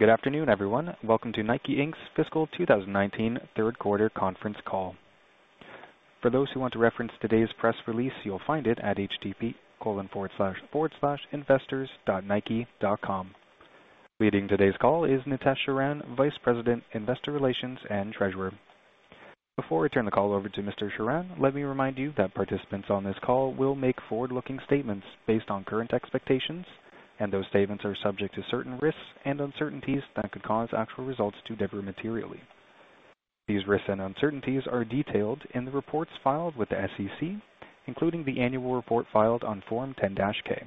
Good afternoon, everyone. Welcome to Nike Inc's fiscal 2019 third quarter conference call. For those who want to reference today's press release, you'll find it at http://investors.nike.com. Leading today's call is Nitesh Sharan, Vice President, Investor Relations and Treasurer. Before I turn the call over to Mr. Sharan, let me remind you that participants on this call will make forward-looking statements based on current expectations, and those statements are subject to certain risks and uncertainties that could cause actual results to differ materially. These risks and uncertainties are detailed in the reports filed with the SEC, including the annual report filed on Form 10-K.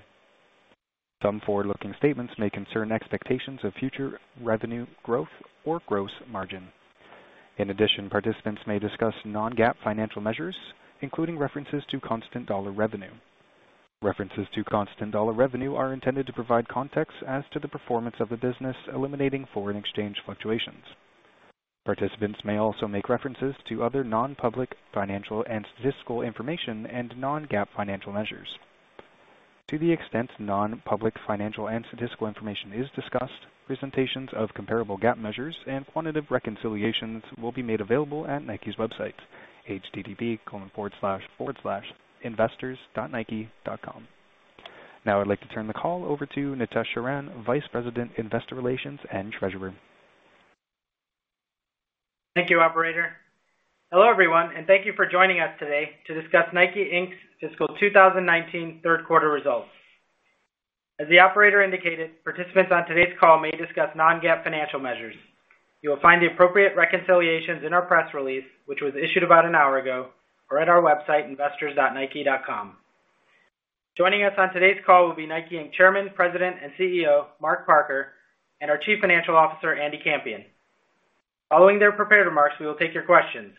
Some forward-looking statements may concern expectations of future revenue growth or gross margin. In addition, participants may discuss non-GAAP financial measures, including references to constant dollar revenue. References to constant dollar revenue are intended to provide context as to the performance of the business, eliminating foreign exchange fluctuations. Participants may also make references to other non-public financial and statistical information and non-GAAP financial measures. To the extent non-public financial and statistical information is discussed, presentations of comparable GAAP measures and quantitative reconciliations will be made available at Nike's website, http://investors.nike.com. I'd like to turn the call over to Nitesh Sharan, Vice President, Investor Relations and Treasurer. Thank you, operator. Hello, everyone, and thank you for joining us today to discuss Nike Inc's fiscal 2019 third quarter results. As the operator indicated, participants on today's call may discuss non-GAAP financial measures. You will find the appropriate reconciliations in our press release, which was issued about an hour ago, or at our website, investors.nike.com. Joining us on today's call will be Nike Inc Chairman, President, and CEO, Mark Parker, and our Chief Financial Officer, Andy Campion. Following their prepared remarks, we will take your questions.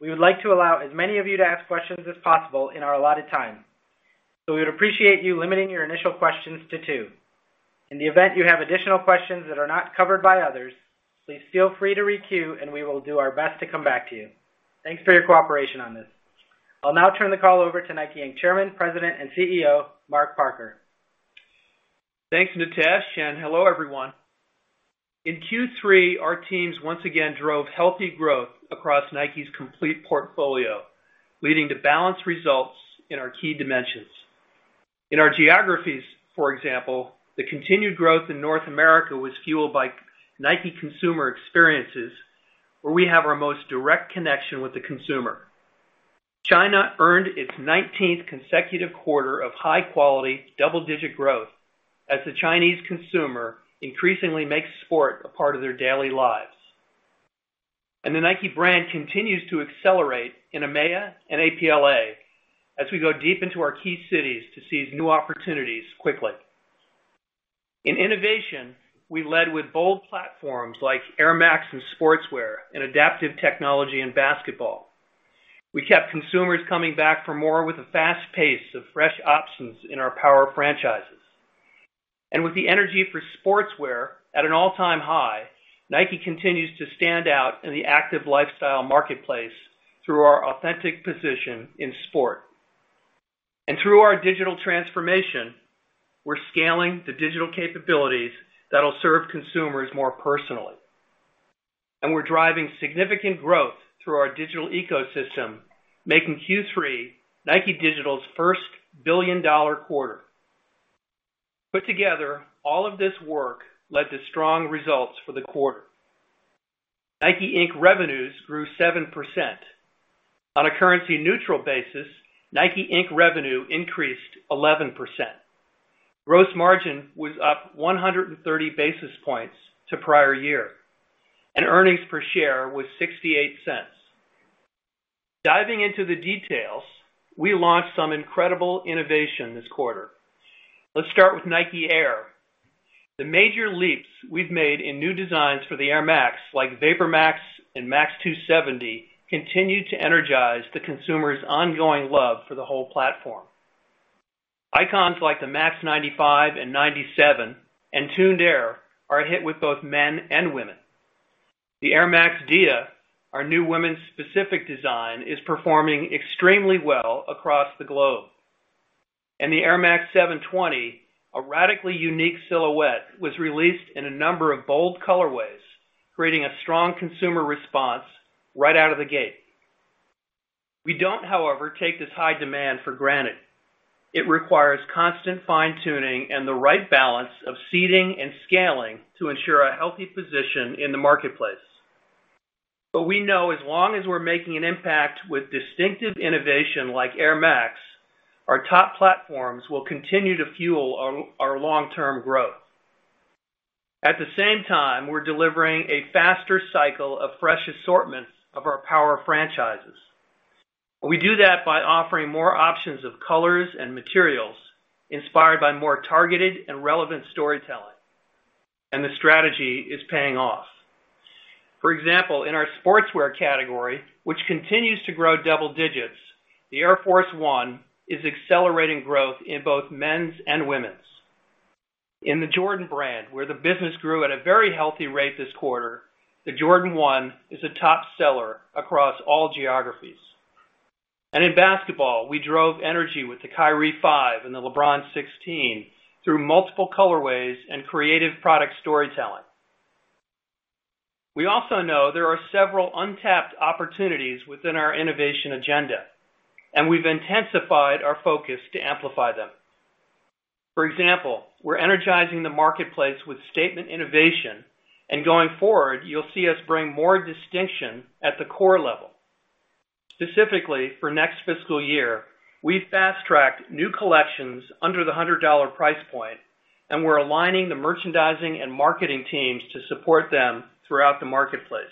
We would like to allow as many of you to ask questions as possible in our allotted time. We would appreciate you limiting your initial questions to two. In the event you have additional questions that are not covered by others, please feel free to re-queue, and we will do our best to come back to you. Thanks for your cooperation on this. I'll now turn the call over to Nike Inc Chairman, President, and CEO, Mark Parker. Thanks, Nitesh. Hello, everyone. In Q3, our teams once again drove healthy growth across Nike's complete portfolio, leading to balanced results in our key dimensions. In our geographies, for example, the continued growth in North America was fueled by Nike consumer experiences, where we have our most direct connection with the consumer. China earned its 19th consecutive quarter of high-quality, double-digit growth as the Chinese consumer increasingly makes sport a part of their daily lives. The Nike brand continues to accelerate in EMEA and APLA as we go deep into our key cities to seize new opportunities quickly. In innovation, we led with bold platforms like Air Max in sportswear and adaptive technology in basketball. We kept consumers coming back for more with a fast pace of fresh options in our power franchises. With the energy for sportswear at an all-time high, Nike continues to stand out in the active lifestyle marketplace through our authentic position in sport. Through our digital transformation, we're scaling the digital capabilities that'll serve consumers more personally. We're driving significant growth through our digital ecosystem, making Q3 Nike Digital's first billion-dollar quarter. Put together, all of this work led to strong results for the quarter. Nike Inc revenues grew 7%. On a currency-neutral basis, Nike Inc revenue increased 11%. Gross margin was up 130 basis points to prior year, earnings per share was $0.68. Diving into the details, we launched some incredible innovation this quarter. Let's start with Nike Air. The major leaps we've made in new designs for the Air Max, like VaporMax and Air Max 270, continue to energize the consumer's ongoing love for the whole platform. Icons like the Air Max 95 and Air Max 97 and Tuned Air are a hit with both men and women. The Air Max Dia, our new women's specific design, is performing extremely well across the globe. The Air Max 720, a radically unique silhouette, was released in a number of bold colorways, creating a strong consumer response right out of the gate. We don't, however, take this high demand for granted. It requires constant fine-tuning and the right balance of seeding and scaling to ensure a healthy position in the marketplace. We know as long as we're making an impact with distinctive innovation like Air Max, our top platforms will continue to fuel our long-term growth. At the same time, we're delivering a faster cycle of fresh assortments of our power franchises. We do that by offering more options of colors and materials inspired by more targeted and relevant storytelling. The strategy is paying off. For example, in our sportswear category, which continues to grow double digits, the Air Force 1 is accelerating growth in both men's and women's. In the Jordan Brand, where the business grew at a very healthy rate this quarter, the Jordan 1 is a top seller across all geographies. In basketball, we drove energy with the Kyrie 5 and the LeBron 16 through multiple colorways and creative product storytelling. We also know there are several untapped opportunities within our innovation agenda, and we've intensified our focus to amplify them. For example, we're energizing the marketplace with statement innovation. Going forward, you'll see us bring more distinction at the core level. Specifically, for next fiscal year, we fast-tracked new collections under the $100 price point, and we're aligning the merchandising and marketing teams to support them throughout the marketplace.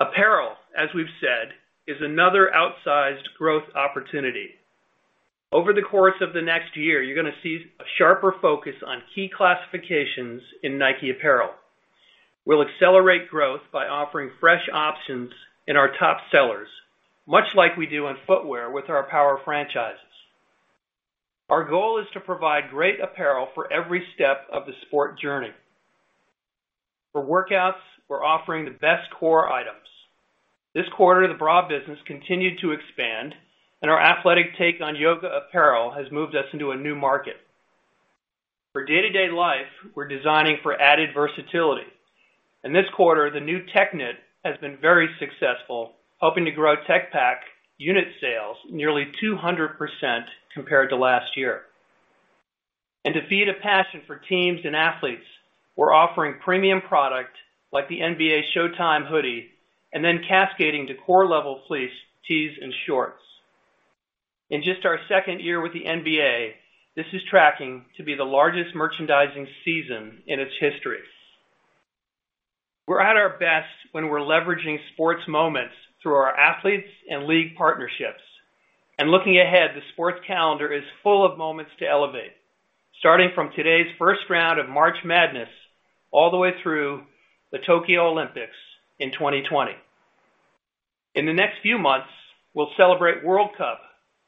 Apparel, as we've said, is another outsized growth opportunity. Over the course of the next year, you're going to see a sharper focus on key classifications in Nike apparel. We'll accelerate growth by offering fresh options in our top sellers, much like we do in footwear with our power franchises. Our goal is to provide great apparel for every step of the sport journey. For workouts, we're offering the best core items. This quarter, the bra business continued to expand, and our athletic take on Nike Yoga apparel has moved us into a new market. For day-to-day life, we're designing for added versatility. This quarter, the new Tech Knit has been very successful, helping to grow Tech Pack unit sales nearly 200% compared to last year. To feed a passion for teams and athletes, we're offering premium product, like the NBA Showtime hoodie, then cascading to core level fleece, tees, and shorts. In just our second year with the NBA, this is tracking to be the largest merchandising season in its history. We're at our best when we're leveraging sports moments through our athletes and league partnerships. Looking ahead, the sports calendar is full of moments to elevate. Starting from today's first round of March Madness all the way through the Tokyo Olympics in 2020. In the next few months, we'll celebrate World Cup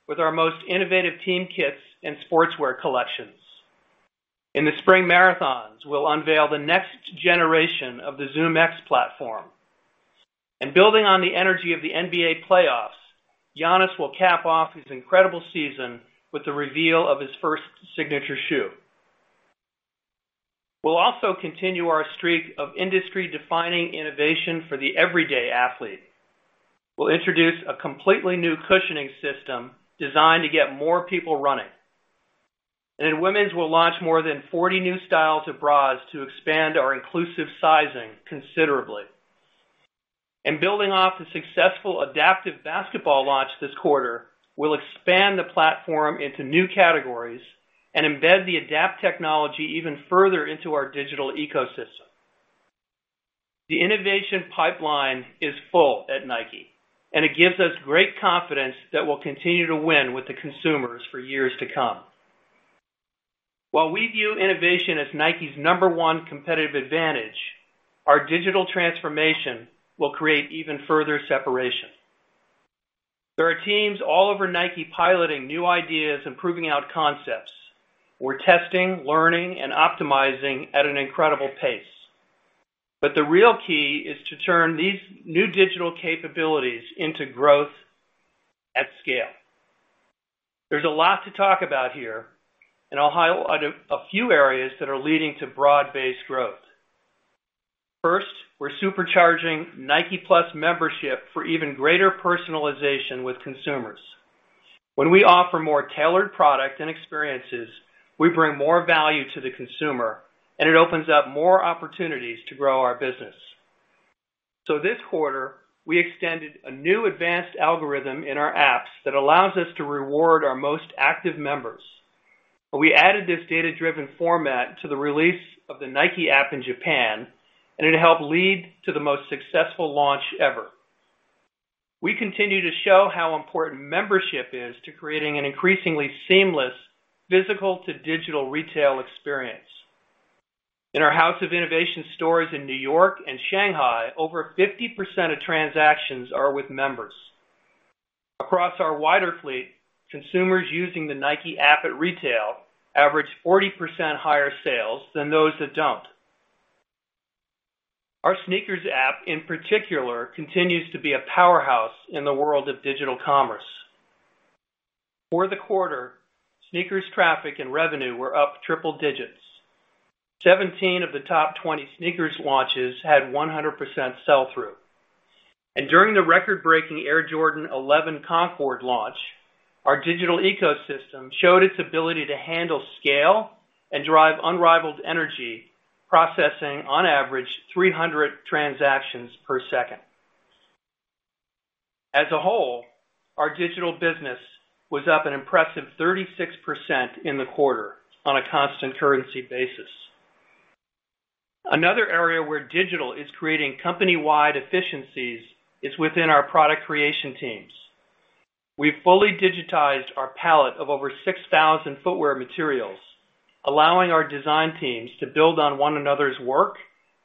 with our most innovative team kits and sportswear collections. In the spring marathons, we'll unveil the next generation of the ZoomX platform. Building on the energy of the NBA playoffs, Giannis will cap off his incredible season with the reveal of his first signature shoe. We'll also continue our streak of industry-defining innovation for the everyday athlete. We'll introduce a completely new cushioning system designed to get more people running. In women's, we'll launch more than 40 new styles of bras to expand our inclusive sizing considerably. Building off the successful adaptive basketball launch this quarter, we'll expand the platform into new categories and embed the adapt technology even further into our digital ecosystem. The innovation pipeline is full at Nike, and it gives us great confidence that we'll continue to win with the consumers for years to come. While we view innovation as Nike's number 1 competitive advantage, our digital transformation will create even further separation. There are teams all over Nike piloting new ideas and proving out concepts. We're testing, learning, and optimizing at an incredible pace. The real key is to turn these new digital capabilities into growth at scale. There's a lot to talk about here, I'll highlight a few areas that are leading to broad-based growth. First, we're supercharging Nike+ Membership for even greater personalization with consumers. When we offer more tailored product and experiences, we bring more value to the consumer, it opens up more opportunities to grow our business. This quarter, we extended a new advanced algorithm in our apps that allows us to reward our most active members. We added this data-driven format to the release of the Nike App in Japan, it helped lead to the most successful launch ever. We continue to show how important membership is to creating an increasingly seamless physical to digital retail experience. In our House of Innovation stores in New York and Shanghai, over 50% of transactions are with members. Across our wider fleet, consumers using the Nike app at retail average 40% higher sales than those that don't. Our SNKRS app, in particular, continues to be a powerhouse in the world of digital commerce. For the quarter, SNKRS traffic and revenue were up triple digits. 17 of the top 20 SNKRS launches had 100% sell-through. During the record-breaking Air Jordan 11 Concord launch, our digital ecosystem showed its ability to handle scale and drive unrivaled energy, processing on average 300 transactions per second. As a whole, our digital business was up an impressive 36% in the quarter on a constant currency basis. Another area where digital is creating company-wide efficiencies is within our product creation teams. We've fully digitized our palette of over 6,000 footwear materials, allowing our design teams to build on one another's work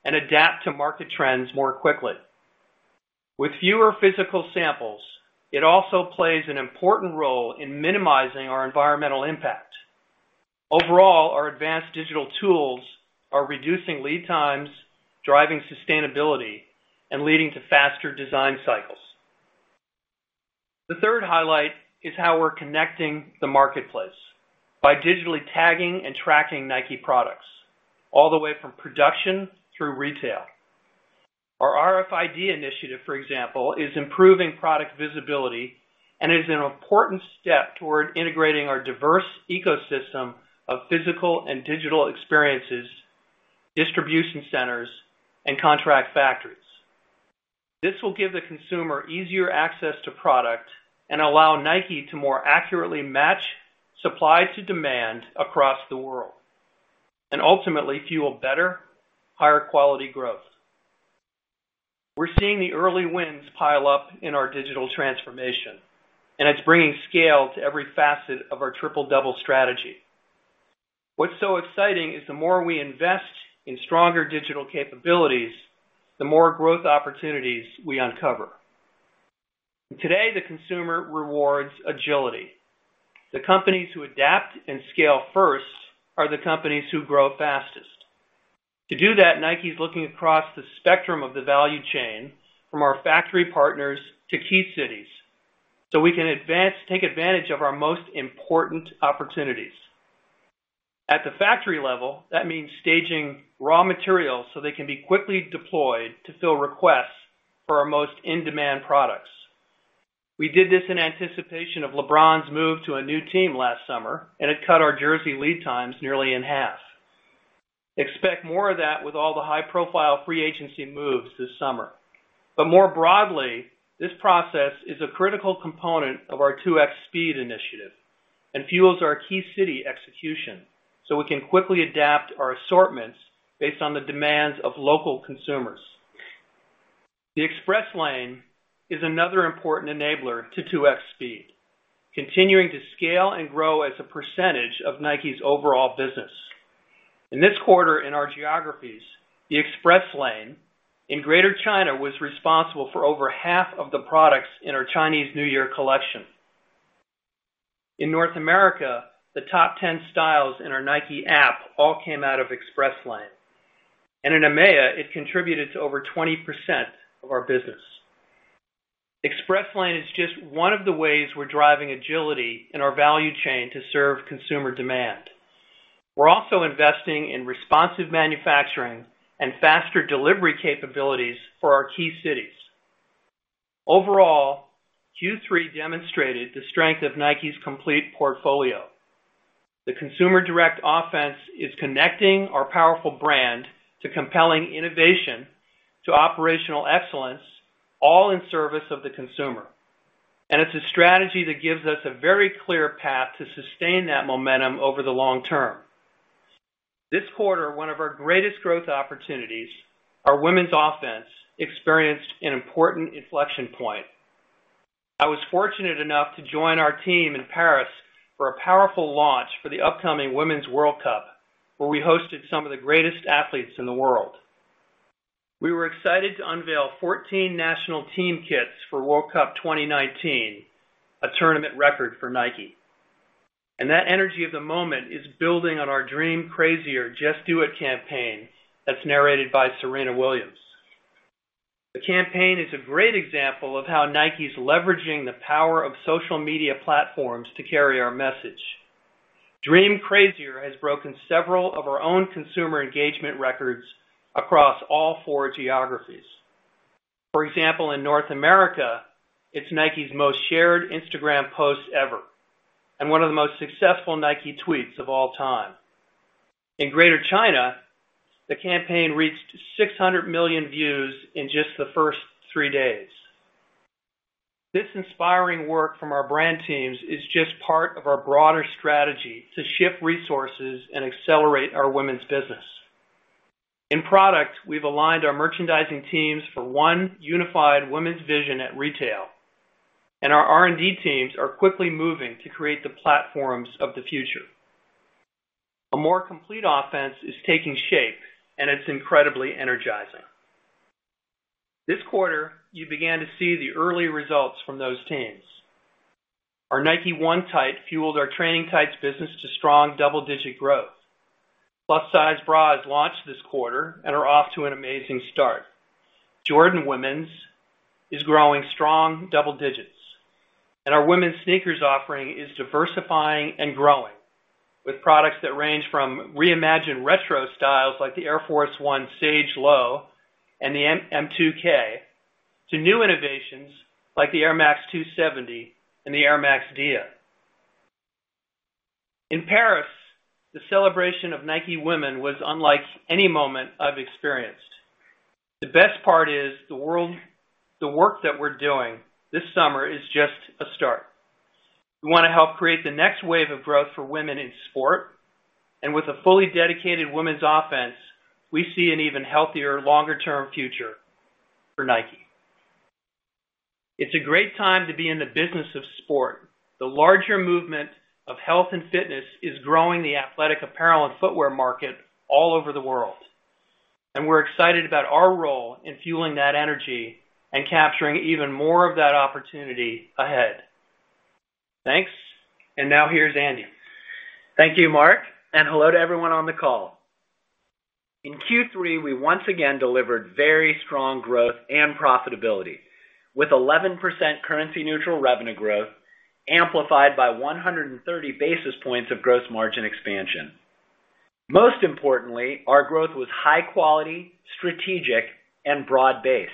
and adapt to market trends more quickly. With fewer physical samples, it also plays an important role in minimizing our environmental impact. Overall, our advanced digital tools are reducing lead times, driving sustainability, and leading to faster design cycles. The third highlight is how we're connecting the marketplace by digitally tagging and tracking Nike products all the way from production through retail. Our RFID initiative, for example, is improving product visibility and is an important step toward integrating our diverse ecosystem of physical and digital experiences, distribution centers, and contract factories. This will give the consumer easier access to product and allow Nike to more accurately match supply to demand across the world, ultimately fuel better, higher quality growth. We're seeing the early wins pile up in our digital transformation, it's bringing scale to every facet of our Triple Double strategy. What's so exciting is the more we invest in stronger digital capabilities, the more growth opportunities we uncover. Today, the consumer rewards agility. The companies who adapt and scale first are the companies who grow fastest. To do that, Nike's looking across the spectrum of the value chain, from our factory partners to key cities, so we can take advantage of our most important opportunities. At the factory level, that means staging raw materials so they can be quickly deployed to fill requests for our most in-demand products. We did this in anticipation of LeBron's move to a new team last summer, it cut our jersey lead times nearly in half. Expect more of that with all the high-profile free agency moves this summer. More broadly, this process is a critical component of our 2X Speed initiative and fuels our key city execution, so we can quickly adapt our assortments based on the demands of local consumers. The Express Lane is another important enabler to 2X Speed, continuing to scale and grow as a percentage of Nike's overall business. In this quarter in our geographies, the Express Lane in Greater China was responsible for over half of the products in our Chinese New Year collection. In North America, the top 10 styles in our Nike app all came out of Express Lane. In EMEA, it contributed to over 20% of our business. Express Lane is just one of the ways we're driving agility in our value chain to serve consumer demand. We're also investing in responsive manufacturing and faster delivery capabilities for our key cities. Overall, Q3 demonstrated the strength of Nike's complete portfolio. The Consumer Direct Offense is connecting our powerful brand to compelling innovation to operational excellence, all in service of the consumer. It's a strategy that gives us a very clear path to sustain that momentum over the long term. This quarter, one of our greatest growth opportunities, our women's offense, experienced an important inflection point. I was fortunate enough to join our team in Paris for a powerful launch for the upcoming Women's World Cup, where we hosted some of the greatest athletes in the world. We were excited to unveil 14 national team kits for World Cup 2019, a tournament record for Nike. That energy of the moment is building on our Dream Crazier Just Do It campaign that's narrated by Serena Williams. The campaign is a great example of how Nike's leveraging the power of social media platforms to carry our message. Dream Crazier has broken several of our own consumer engagement records across all four geographies. For example, in North America, it's Nike's most shared Instagram post ever and one of the most successful Nike tweets of all time. In Greater China, the campaign reached 600 million views in just the first three days. This inspiring work from our brand teams is just part of our broader strategy to shift resources and accelerate our women's business. In product, we've aligned our merchandising teams for one unified women's vision at retail, our R&D teams are quickly moving to create the platforms of the future. A more complete offense is taking shape, it's incredibly energizing. This quarter, you began to see the early results from those teams. Our Nike One Tight fueled our training tights business to strong double-digit growth. Plus size bras launched this quarter and are off to an amazing start. Jordan Women's is growing strong double digits. Our women's sneakers offering is diversifying and growing with products that range from reimagined retro styles like the Air Force 1 Sage Low and the M2K to new innovations like the Air Max 270 and the Air Max Dia. In Paris, the celebration of Nike women was unlike any moment I've experienced. The best part is the work that we're doing this summer is just a start. We want to help create the next wave of growth for women in sport, with a fully dedicated women's offense, we see an even healthier, longer-term future for Nike. It's a great time to be in the business of sport. The larger movement of health and fitness is growing the athletic apparel and footwear market all over the world. We're excited about our role in fueling that energy and capturing even more of that opportunity ahead. Thanks. Now, here's Andy. Thank you, Mark. Hello to everyone on the call. In Q3, we once again delivered very strong growth and profitability with 11% currency neutral revenue growth amplified by 130 basis points of gross margin expansion. Most importantly, our growth was high quality, strategic, and broad-based.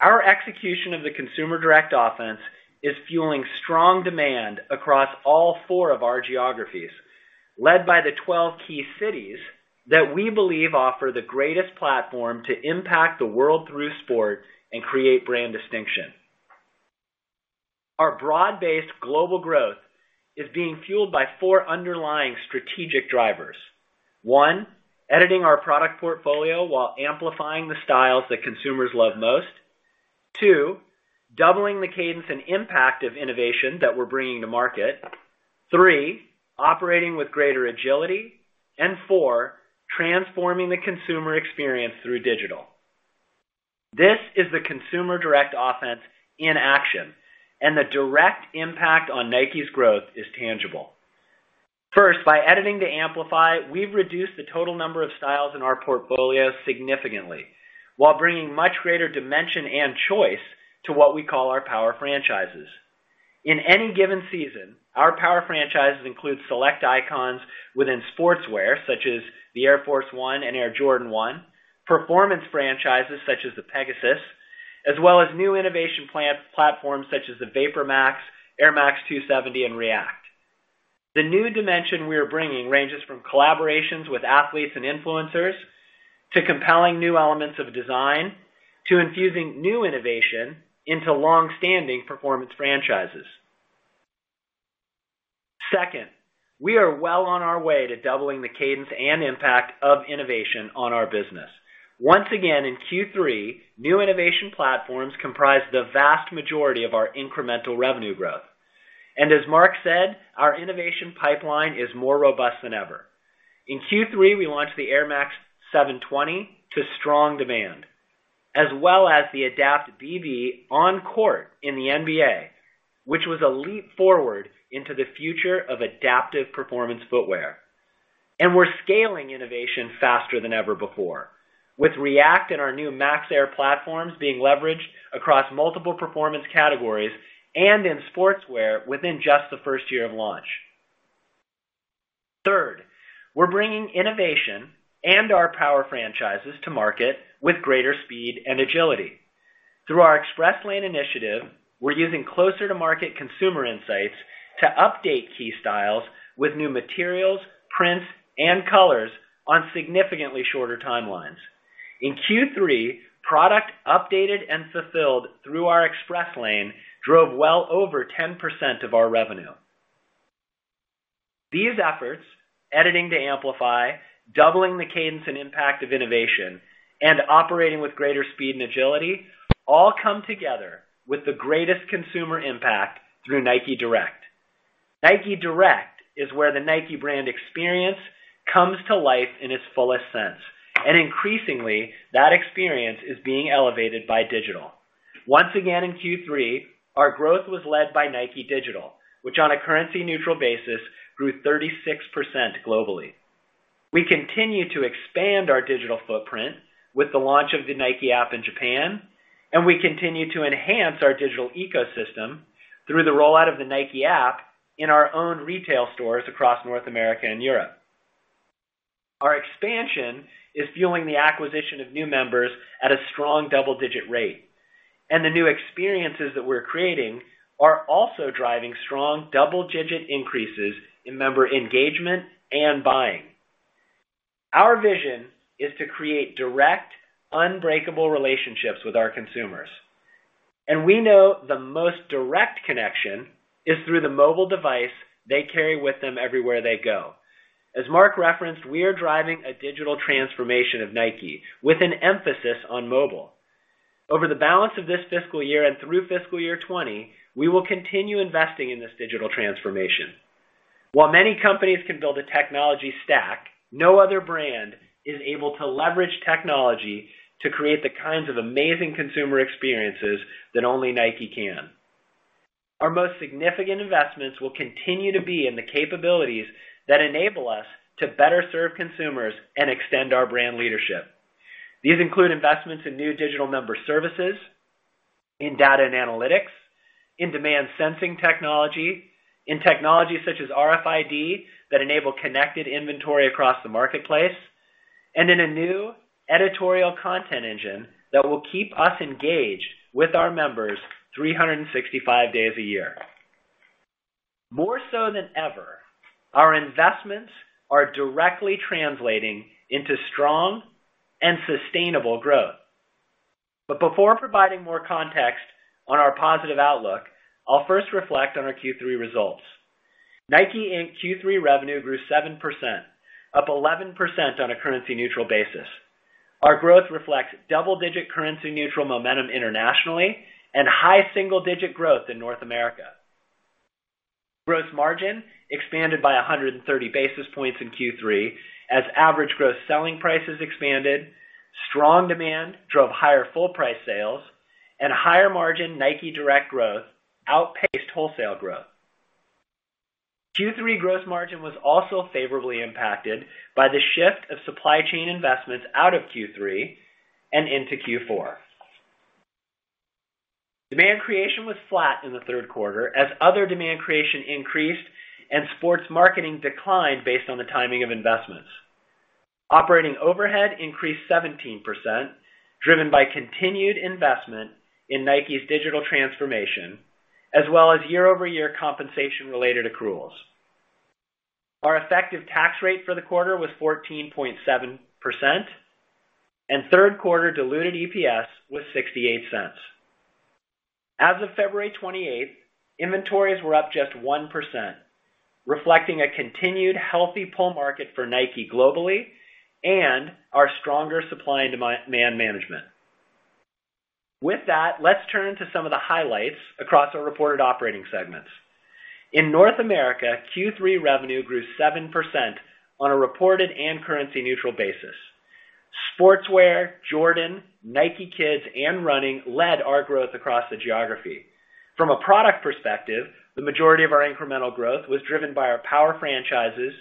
Our execution of the Consumer Direct Offense is fueling strong demand across all four of our geographies, led by the 12 key cities that we believe offer the greatest platform to impact the world through sport and create brand distinction. Our broad-based global growth is being fueled by four underlying strategic drivers. One, editing our product portfolio while amplifying the styles that consumers love most. Two, doubling the cadence and impact of innovation that we are bringing to market. Three, operating with greater agility. Four, transforming the consumer experience through digital. This is the Consumer Direct Offense in action. The direct impact on Nike's growth is tangible. First, by editing to amplify, we have reduced the total number of styles in our portfolio significantly while bringing much greater dimension and choice to what we call our power franchises. In any given season, our power franchises include select icons within sportswear, such as the Air Force 1 and Air Jordan 1, performance franchises such as the Pegasus, as well as new innovation platforms such as the VaporMax, Air Max 270, and React. The new dimension we are bringing ranges from collaborations with athletes and influencers to compelling new elements of design, to infusing new innovation into longstanding performance franchises. Second, we are well on our way to doubling the cadence and impact of innovation on our business. Once again, in Q3, new innovation platforms comprised the vast majority of our incremental revenue growth. As Mark said, our innovation pipeline is more robust than ever. In Q3, we launched the Air Max 720 to strong demand, as well as the Adapt BB on court in the NBA, which was a leap forward into the future of adaptive performance footwear. We are scaling innovation faster than ever before with React and our new Max Air platforms being leveraged across multiple performance categories and in sportswear within just the first year of launch. Third, we are bringing innovation and our power franchises to market with greater speed and agility. Through our Express Lane initiative, we are using closer-to-market consumer insights to update key styles with new materials, prints, and colors on significantly shorter timelines. In Q3, product updated and fulfilled through our Express Lane drove well over 10% of our revenue. These efforts, editing to amplify, doubling the cadence and impact of innovation, and operating with greater speed and agility, all come together with the greatest consumer impact through Nike Direct. Nike Direct is where the Nike brand experience comes to life in its fullest sense. Increasingly, that experience is being elevated by digital. Once again, in Q3, our growth was led by Nike Digital, which on a currency neutral basis, grew 36% globally. We continue to expand our digital footprint with the launch of the Nike app in Japan. We continue to enhance our digital ecosystem through the rollout of the Nike app in our own retail stores across North America and Europe. Our expansion is fueling the acquisition of new members at a strong double-digit rate, and the new experiences that we are creating are also driving strong double-digit increases in member engagement and buying. Our vision is to create direct, unbreakable relationships with our consumers. We know the most direct connection is through the mobile device they carry with them everywhere they go. As Mark referenced, we are driving a digital transformation of Nike with an emphasis on mobile. Over the balance of this fiscal year and through fiscal year 2020, we will continue investing in this digital transformation. While many companies can build a technology stack, no other brand is able to leverage technology to create the kinds of amazing consumer experiences that only Nike can. Our most significant investments will continue to be in the capabilities that enable us to better serve consumers and extend our brand leadership. These include investments in new digital member services, in data and analytics, in demand sensing technology, in technology such as RFID that enable connected inventory across the marketplace, and in a new editorial content engine that will keep us engaged with our members 365 days a year. More so than ever, our investments are directly translating into strong and sustainable growth. Before providing more context on our positive outlook, I'll first reflect on our Q3 results. Nike Inc Q3 revenue grew 7%, up 11% on a currency neutral basis. Our growth reflects double-digit currency neutral momentum internationally and high single-digit growth in North America. Gross margin expanded by 130 basis points in Q3 as average gross selling prices expanded, strong demand drove higher full price sales, and higher margin Nike Direct growth outpaced wholesale growth. Q3 gross margin was also favorably impacted by the shift of supply chain investments out of Q3 and into Q4. Demand creation was flat in the third quarter as other demand creation increased and sports marketing declined based on the timing of investments. Operating overhead increased 17%, driven by continued investment in Nike's digital transformation as well as year-over-year compensation related accruals. Our effective tax rate for the quarter was 14.7%, and third quarter diluted EPS was $0.68. As of February 28th, inventories were up just 1%, reflecting a continued healthy pull market for Nike globally and our stronger supply and demand management. With that, let's turn to some of the highlights across our reported operating segments. In North America, Q3 revenue grew 7% on a reported and currency neutral basis. Sportswear, Jordan, Nike Kids and Running led our growth across the geography. From a product perspective, the majority of our incremental growth was driven by our power franchises,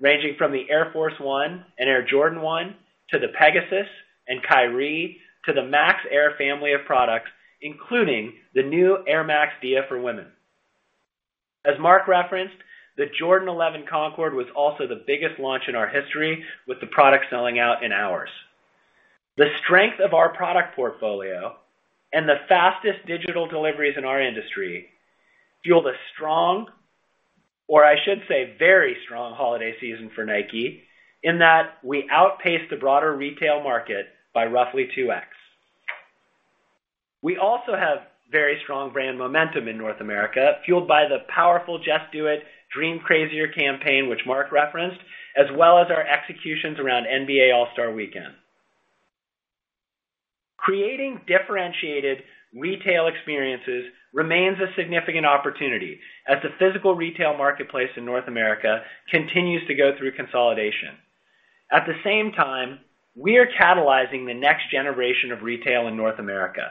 ranging from the Air Force 1 and Air Jordan 1 to the Pegasus and Kyrie to the Max Air family of products, including the new Air Max Dia for women. As Mark referenced, the Air Jordan 11 Concord was also the biggest launch in our history, with the product selling out in hours. The strength of our product portfolio and the fastest digital deliveries in our industry fueled a strong, or I should say, very strong holiday season for Nike, in that we outpaced the broader retail market by roughly 2X. We also have very strong brand momentum in North America, fueled by the powerful Just Do It Dream Crazier campaign, which Mark referenced, as well as our executions around NBA All-Star Weekend. Creating differentiated retail experiences remains a significant opportunity as the physical retail marketplace in North America continues to go through consolidation. At the same time, we are catalyzing the next generation of retail in North America,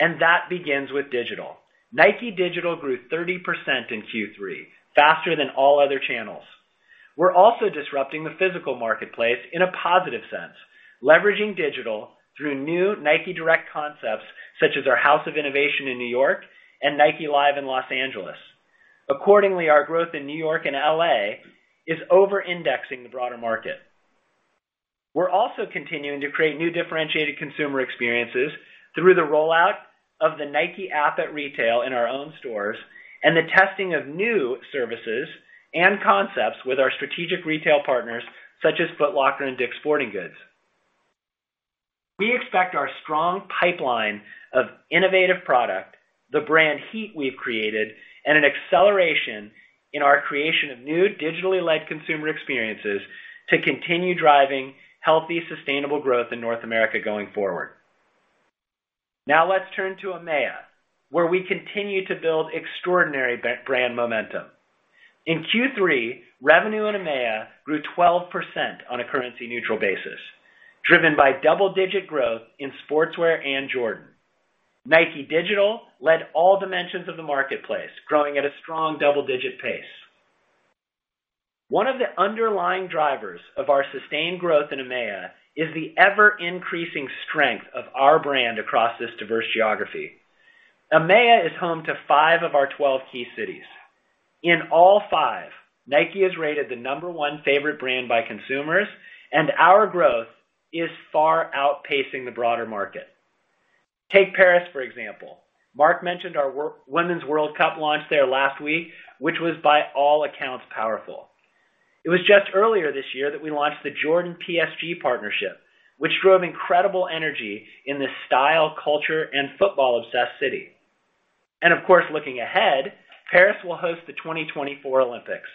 and that begins with digital. Nike Digital grew 30% in Q3, faster than all other channels. We're also disrupting the physical marketplace in a positive sense, leveraging digital through new Nike Direct concepts such as our House of Innovation in New York and Nike Live in L.A. Accordingly, our growth in New York and L.A. is over-indexing the broader market. We're also continuing to create new differentiated consumer experiences through the rollout of the Nike app at retail in our own stores and the testing of new services and concepts with our strategic retail partners such as Foot Locker and Dick's Sporting Goods. We expect our strong pipeline of innovative product, the brand heat we've created, and an acceleration in our creation of new digitally led consumer experiences to continue driving healthy, sustainable growth in North America going forward. Let's turn to EMEA, where we continue to build extraordinary brand momentum. In Q3, revenue in EMEA grew 12% on a currency neutral basis, driven by double-digit growth in Sportswear and Jordan. Nike Digital led all dimensions of the marketplace, growing at a strong double-digit pace. One of the underlying drivers of our sustained growth in EMEA is the ever-increasing strength of our brand across this diverse geography. EMEA is home to five of our 12 key cities. In all five, Nike is rated the number one favorite brand by consumers, and our growth is far outpacing the broader market. Take Paris, for example. Mark mentioned our Women's World Cup launch there last week, which was by all accounts, powerful. It was just earlier this year that we launched the Jordan PSG partnership, which drove incredible energy in the style, culture and football obsessed city. Of course, looking ahead, Paris will host the 2024 Olympics.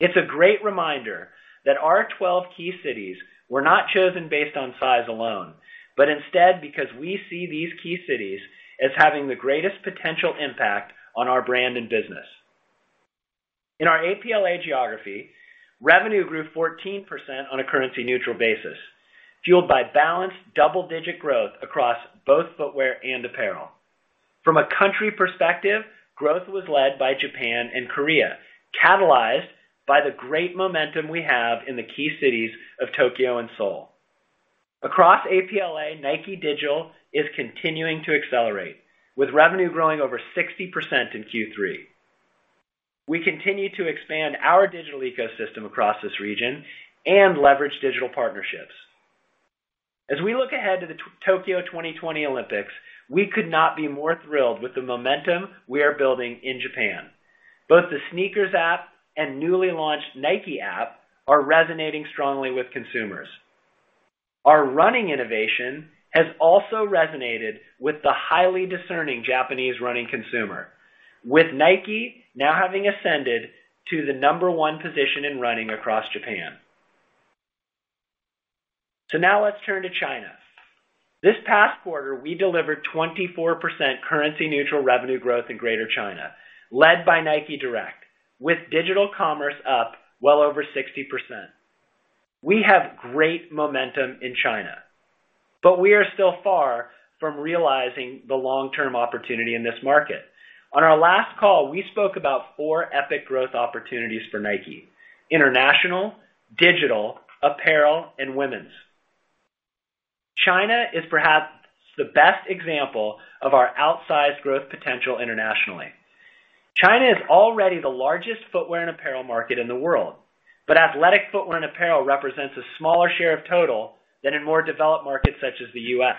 It's a great reminder that our 12 key cities were not chosen based on size alone, but instead because we see these key cities as having the greatest potential impact on our brand and business. In our APLA geography, revenue grew 14% on a currency neutral basis, fueled by balanced double-digit growth across both footwear and apparel. From a country perspective, growth was led by Japan and Korea, catalyzed by the great momentum we have in the key cities of Tokyo and Seoul. Across APLA, Nike Digital is continuing to accelerate, with revenue growing over 60% in Q3. We continue to expand our digital ecosystem across this region and leverage digital partnerships. As we look ahead to the Tokyo 2020 Olympics, we could not be more thrilled with the momentum we are building in Japan. Both the SNKRS app and newly launched Nike app are resonating strongly with consumers. Our running innovation has also resonated with the highly discerning Japanese running consumer, with Nike now having ascended to the number one position in running across Japan. Let's turn to China. This past quarter, we delivered 24% currency neutral revenue growth in Greater China, led by Nike Direct, with digital commerce up well over 60%. We have great momentum in China, but we are still far from realizing the long-term opportunity in this market. On our last call, we spoke about four epic growth opportunities for Nike, international, digital, apparel, and women's. China is perhaps the best example of our outsized growth potential internationally. China is already the largest footwear and apparel market in the world, but athletic footwear and apparel represents a smaller share of total than in more developed markets such as the U.S.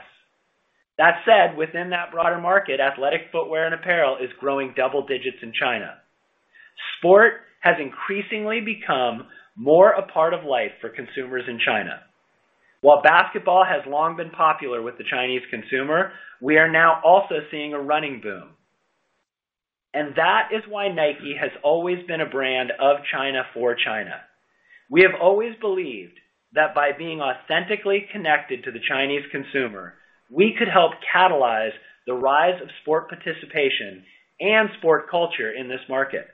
That said, within that broader market, athletic footwear and apparel is growing double digits in China. Sport has increasingly become more a part of life for consumers in China. While basketball has long been popular with the Chinese consumer, we are now also seeing a running boom. That is why Nike has always been a brand of China for China. We have always believed that by being authentically connected to the Chinese consumer, we could help catalyze the rise of sport participation and sport culture in this market.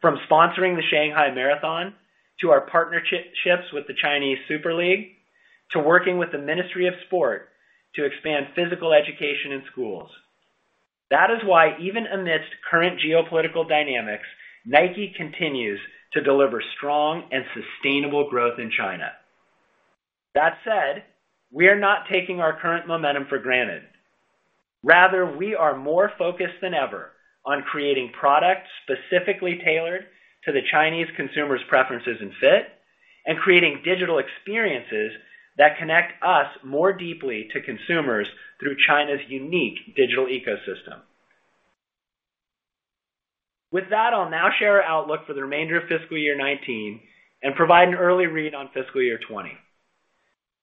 From sponsoring the Shanghai Marathon, to our partnerships with the Chinese Super League, to working with the Ministry of Sport to expand physical education in schools. That is why even amidst current geopolitical dynamics, Nike continues to deliver strong and sustainable growth in China. That said, we are not taking our current momentum for granted. Rather, we are more focused than ever on creating products specifically tailored to the Chinese consumer's preferences and fit, and creating digital experiences that connect us more deeply to consumers through China's unique digital ecosystem. With that, I'll now share our outlook for the remainder of fiscal year 2019 and provide an early read on fiscal year 2020.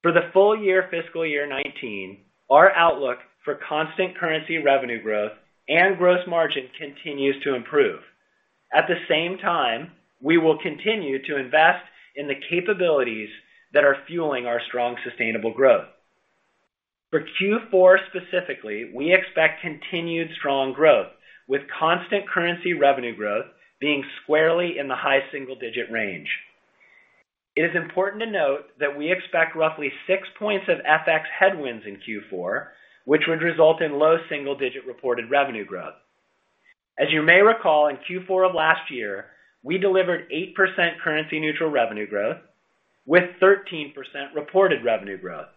For the full year fiscal year 2019, our outlook for constant currency revenue growth and gross margin continues to improve. At the same time, we will continue to invest in the capabilities that are fueling our strong, sustainable growth. For Q4 specifically, we expect continued strong growth with constant currency revenue growth being squarely in the high single-digit range. It is important to note that we expect roughly six points of FX headwinds in Q4, which would result in low single-digit reported revenue growth. As you may recall, in Q4 of last year, we delivered 8% currency neutral revenue growth with 13% reported revenue growth.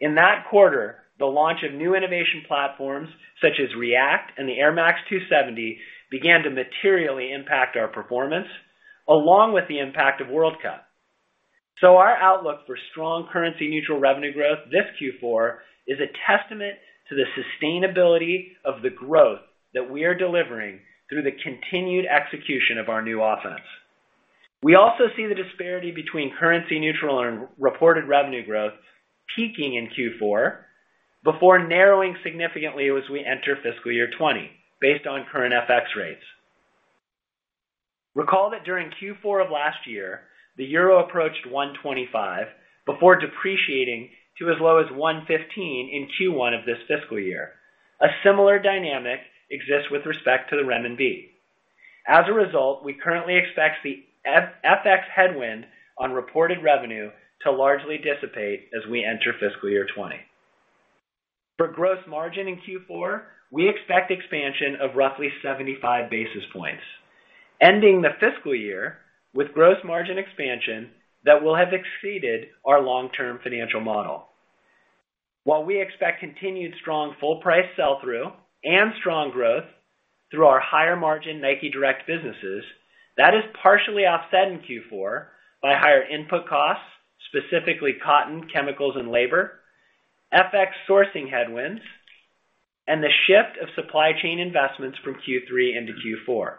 In that quarter, the launch of new innovation platforms such as React and the Air Max 270 began to materially impact our performance, along with the impact of World Cup. Our outlook for strong currency neutral revenue growth this Q4 is a testament to the sustainability of the growth that we are delivering through the continued execution of our new offense. We also see the disparity between currency neutral and reported revenue growth peaking in Q4 before narrowing significantly as we enter fiscal year 2020, based on current FX rates. Recall that during Q4 of last year, the EUR approached 125 before depreciating to as low as 115 in Q1 of this fiscal year. A similar dynamic exists with respect to the CNY. As a result, we currently expect the FX headwind on reported revenue to largely dissipate as we enter fiscal year 2020. For gross margin in Q4, we expect expansion of roughly 75 basis points, ending the fiscal year with gross margin expansion that will have exceeded our long-term financial model. While we expect continued strong full price sell-through and strong growth through our higher-margin Nike Direct businesses, that is partially offset in Q4 by higher input costs, specifically cotton, chemicals, and labor, FX sourcing headwinds, and the shift of supply chain investments from Q3 into Q4.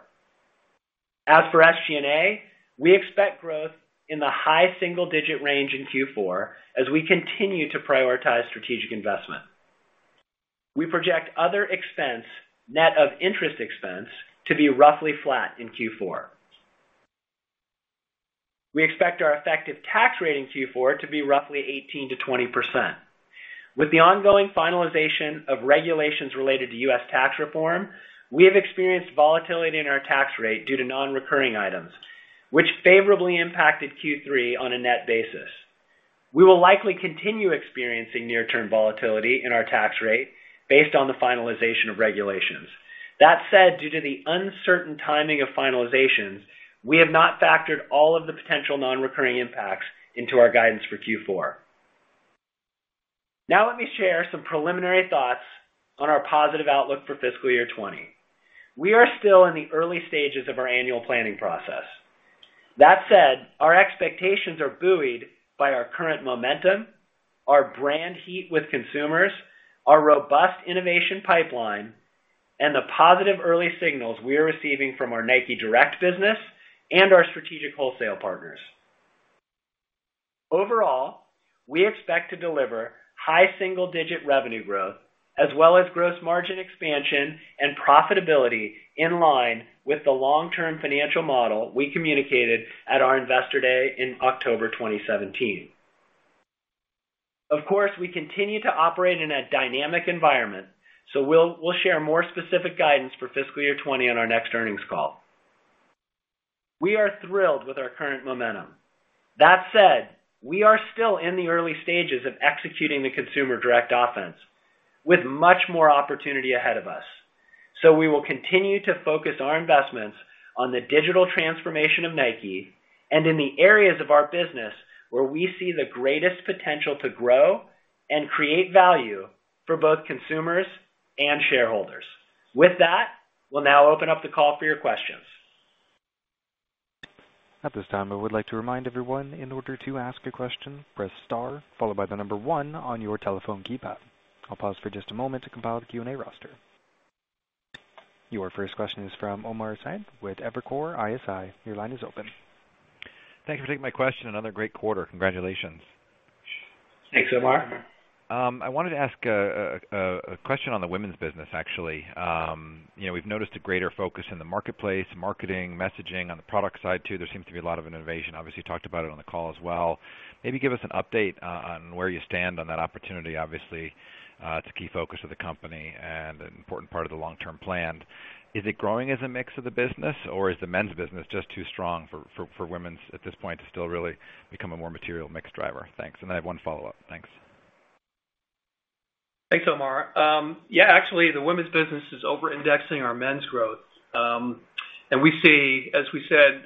As for SG&A, we expect growth in the high single-digit range in Q4 as we continue to prioritize strategic investment. We project other expense, net of interest expense, to be roughly flat in Q4. We expect our effective tax rate in Q4 to be roughly 18%-20%. With the ongoing finalization of regulations related to U.S. tax reform, we have experienced volatility in our tax rate due to non-recurring items, which favorably impacted Q3 on a net basis. We will likely continue experiencing near-term volatility in our tax rate based on the finalization of regulations. That said, due to the uncertain timing of finalizations, we have not factored all of the potential non-recurring impacts into our guidance for Q4. Now let me share some preliminary thoughts on our positive outlook for fiscal year 2020. We are still in the early stages of our annual planning process. That said, our expectations are buoyed by our current momentum, our brand heat with consumers, our robust innovation pipeline, and the positive early signals we are receiving from our Nike Direct business and our strategic wholesale partners. Overall, we expect to deliver high single-digit revenue growth, as well as gross margin expansion and profitability in line with the long-term financial model we communicated at our Investor Day in October 2017. Of course, we continue to operate in a dynamic environment. We'll share more specific guidance for fiscal year 2020 in our next earnings call. We are thrilled with our current momentum. That said, we are still in the early stages of executing the Consumer Direct Offense with much more opportunity ahead of us. We will continue to focus our investments on the digital transformation of Nike and in the areas of our business where we see the greatest potential to grow and create value for both consumers and shareholders. With that, we'll now open up the call for your questions. At this time, I would like to remind everyone, in order to ask a question, press star followed by the number 1 on your telephone keypad. I'll pause for just a moment to compile the Q&A roster. Your first question is from Omar Saad with Evercore ISI. Your line is open. Thank you for taking my question. Another great quarter. Congratulations. Thanks, Omar. I wanted to ask a question on the women's business, actually. We've noticed a greater focus in the marketplace, marketing, messaging. On the product side, too, there seems to be a lot of innovation. You talked about it on the call as well. Maybe give us an update on where you stand on that opportunity. It's a key focus of the company and an important part of the long-term plan. Is it growing as a mix of the business, or is the men's business just too strong for women's at this point to still really become a more material mix driver? Thanks. I have one follow-up. Thanks. Thanks, Omar. Actually, the women's business is over-indexing our men's growth. We see, as we said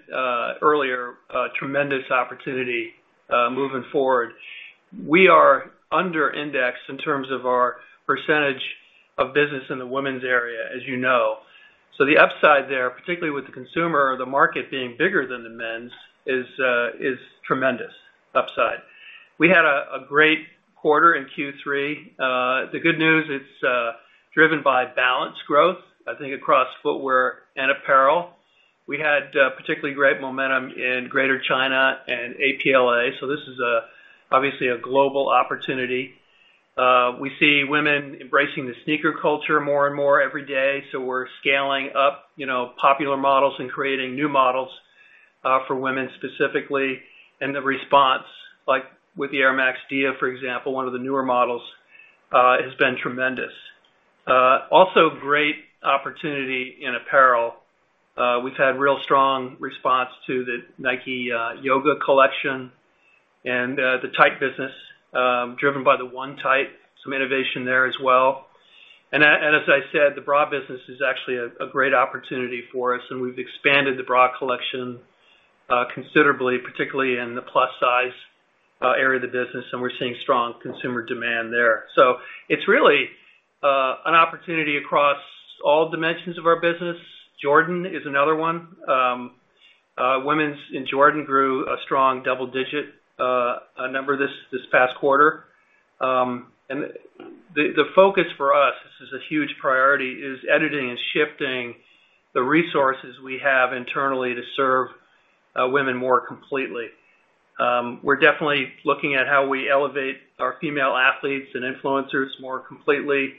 earlier, a tremendous opportunity moving forward. We are under-indexed in terms of our percentage of business in the women's area, as you know. The upside there, particularly with the consumer or the market being bigger than the men's, is tremendous upside. We had a great quarter in Q3. The good news, it's driven by balanced growth, I think, across footwear and apparel. We had particularly great momentum in Greater China and APLA. This is obviously a global opportunity. We see women embracing the sneaker culture more and more every day, so we're scaling up popular models and creating new models for women specifically. The response, like with the Air Max Dia, for example, one of the newer models, has been tremendous. Also, great opportunity in apparel. We've had real strong response to the Nike Yoga collection and the tight business driven by the One Tight. Some innovation there as well. As I said, the bra business is actually a great opportunity for us, and we've expanded the bra collection considerably, particularly in the plus-size area of the business, and we're seeing strong consumer demand there. It's really an opportunity across all dimensions of our business. Jordan is another one. Women's in Jordan grew a strong double-digit number this past quarter. The focus for us, this is a huge priority, is editing and shifting the resources we have internally to serve women more completely. We're definitely looking at how we elevate our female athletes and influencers more completely,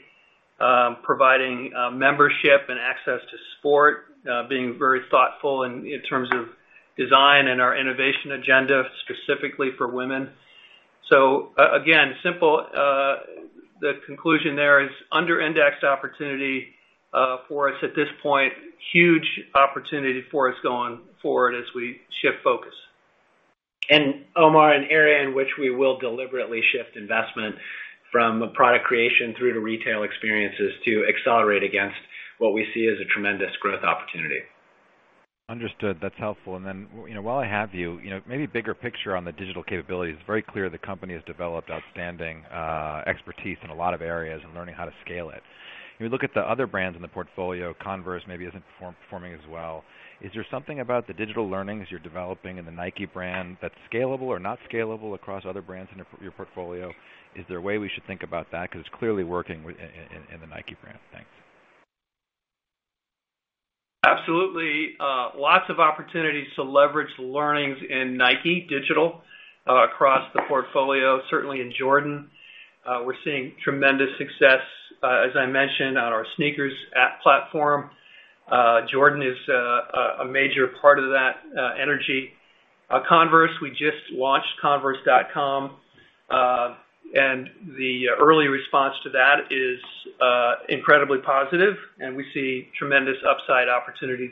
providing membership and access to sport, being very thoughtful in terms of design and our innovation agenda specifically for women. Again, simple. The conclusion there is under-indexed opportunity for us at this point. Huge opportunity for us going forward as we shift focus. Omar, an area in which we will deliberately shift investment from a product creation through to retail experiences to accelerate against what we see as a tremendous growth opportunity. Understood. That's helpful. Then, while I have you, maybe bigger picture on the digital capabilities. It's very clear the company has developed outstanding expertise in a lot of areas and learning how to scale it. You look at the other brands in the portfolio, Converse maybe isn't performing as well. Is there something about the digital learnings you're developing in the Nike brand that's scalable or not scalable across other brands in your portfolio? Is there a way we should think about that? Because it's clearly working in the Nike brand. Thanks. Absolutely. Lots of opportunities to leverage learnings in Nike Digital across the portfolio. Certainly, in Jordan, we're seeing tremendous success. As I mentioned on our SNKRS platform, Jordan is a major part of that energy. Converse, we just launched converse.com. The early response to that is incredibly positive, and we see tremendous upside opportunity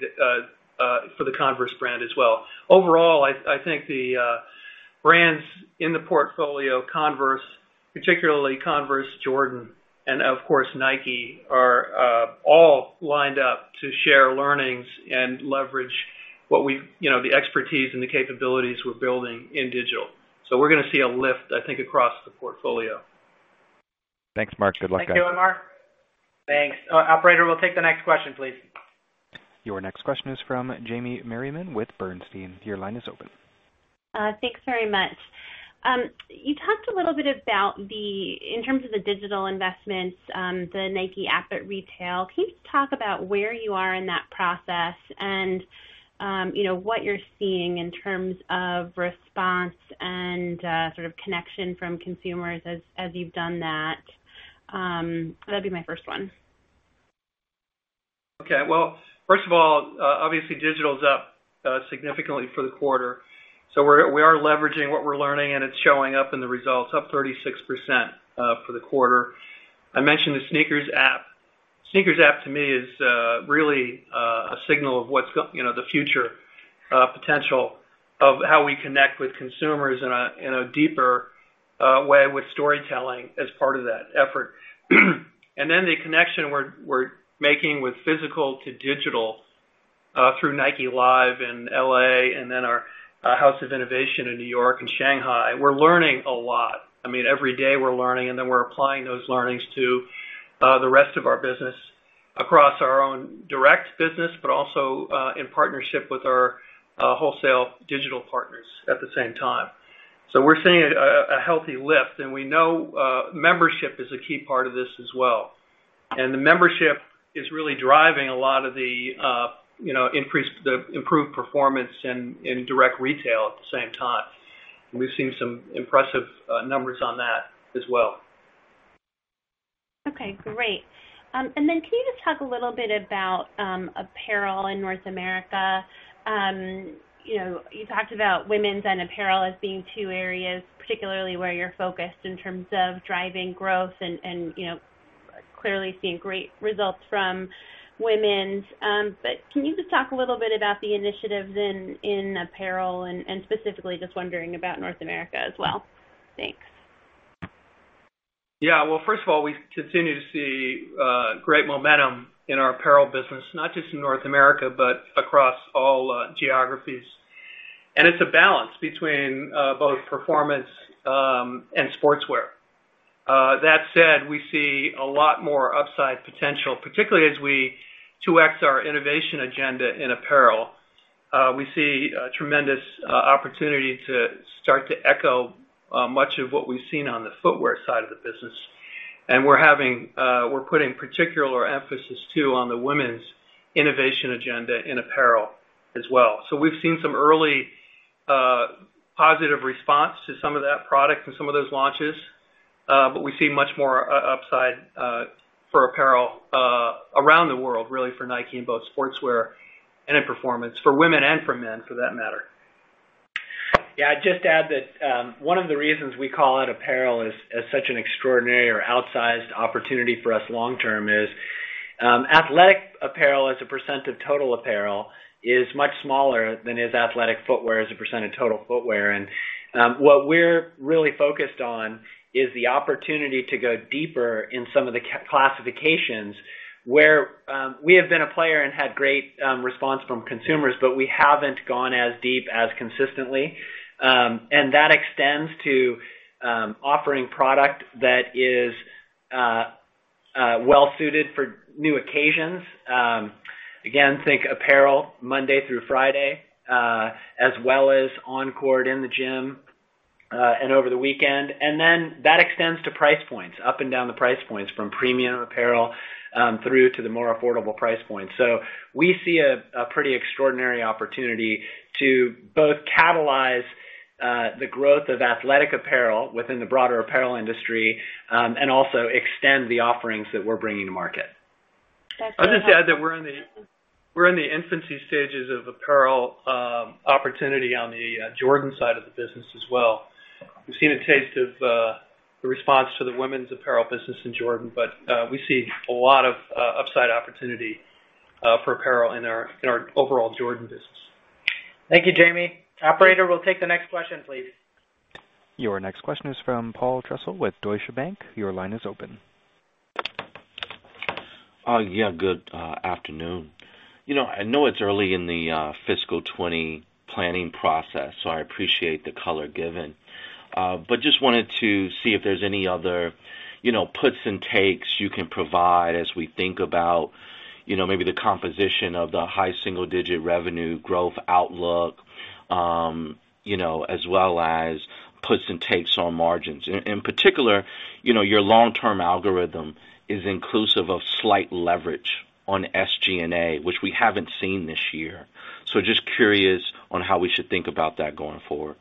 for the Converse brand as well. Overall, I think the brands in the portfolio, Converse, particularly Converse, Jordan, and of course, Nike, are all lined up to share learnings and leverage the expertise and the capabilities we're building in digital. We're going to see a lift, I think, across the portfolio. Thanks, Mark. Good luck, guys. Thank you, Omar. Thanks. Operator, we'll take the next question, please. Your next question is from Jamie Merriman with Bernstein. Your line is open. Thanks very much. You talked a little bit about, in terms of the digital investments, the Nike App at retail. Can you just talk about where you are in that process and what you're seeing in terms of response and sort of connection from consumers as you've done that? That'd be my first one. Well, first of all, obviously digital is up significantly for the quarter. We are leveraging what we're learning, and it's showing up in the results, up 36% for the quarter. I mentioned the SNKRS app. SNKRS app, to me, is really a signal of the future potential of how we connect with consumers in a deeper way with storytelling as part of that effort. The connection we're making with physical to digital through Nike Live in L.A. and our House of Innovation in New York and Shanghai. We're learning a lot. Every day we're learning, and we're applying those learnings to the rest of our business across our own direct business, but also in partnership with our wholesale digital partners at the same time. We're seeing a healthy lift, and we know membership is a key part of this as well. The membership is really driving a lot of the improved performance in direct retail at the same time. We've seen some impressive numbers on that as well. Great. Can you just talk a little bit about apparel in North America? You talked about women's and apparel as being two areas, particularly where you're focused in terms of driving growth and clearly seeing great results from women's. Can you just talk a little bit about the initiatives in apparel and specifically just wondering about North America as well? Thanks. Well, first of all, we continue to see great momentum in our apparel business, not just in North America, but across all geographies. It's a balance between both performance and sportswear. That said, we see a lot more upside potential, particularly as we 2X our Innovation Agenda in apparel. We see a tremendous opportunity to start to echo much of what we've seen on the footwear side of the business. We're putting particular emphasis too, on the women's Innovation Agenda in apparel as well. We've seen some early positive response to some of that product and some of those launches. We see much more upside for apparel around the world, really, for Nike in both sportswear and in performance for women and for men for that matter. I'd just add that one of the reasons we call out apparel as such an extraordinary or outsized opportunity for us long term is athletic apparel as a percent of total apparel is much smaller than is athletic footwear as a percent of total footwear. What we're really focused on is the opportunity to go deeper in some of the classifications where we have been a player and had great response from consumers, but we haven't gone as deep as consistently. That extends to offering product that is well-suited for new occasions. Again, think apparel Monday through Friday, as well as on court, in the gym, and over the weekend. Then that extends to price points, up and down the price points from premium apparel through to the more affordable price points. We see a pretty extraordinary opportunity to both catalyze the growth of athletic apparel within the broader apparel industry and also extend the offerings that we're bringing to market. That's very helpful. I'll just add that we're in the infancy stages of apparel opportunity on the Jordan side of the business as well. We've seen a taste of the response to the women's apparel business in Jordan, we see a lot of upside opportunity for apparel in our overall Jordan business. Thank you, Jamie. Operator, we'll take the next question, please. Your next question is from Paul Trussell with Deutsche Bank. Your line is open. Yeah, good afternoon. I know it's early in the fiscal 2020 planning process. I appreciate the color given. Just wanted to see if there's any other puts and takes you can provide as we think about maybe the composition of the high single-digit revenue growth outlook as well as puts and takes on margins. In particular, your long-term algorithm is inclusive of slight leverage on SG&A, which we haven't seen this year. Just curious on how we should think about that going forward.